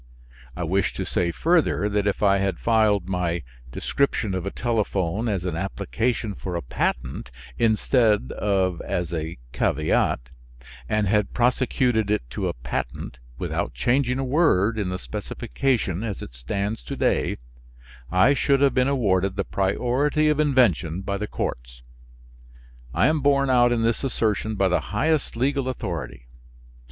I wish to say further that if I had filed my description of a telephone as an application for a patent instead of as a caveat, and had prosecuted it to a patent, without changing a word in the specification as it stands to day, I should have been awarded the priority of invention by the courts. I am borne out in this assertion by the highest legal authority.